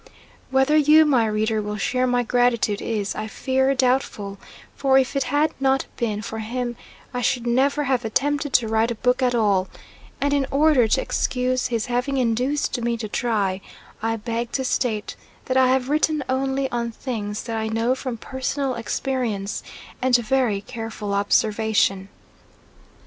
Whether you my reader will share my gratitude is, I fear, doubtful, for if it had not been for him I should never have attempted to write a book at all, and in order to excuse his having induced me to try I beg to state that I have written only on things that I know from personal experience and very careful observation.